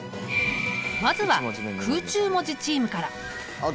まずは空中文字チームから。